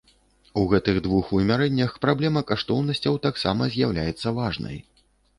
У гэтых двух вымярэннях праблема каштоўнасцяў таксама з'яўляецца важнай.